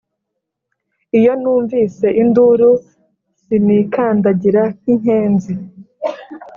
iyo numvise induru sinikandagira nk' inkenzi.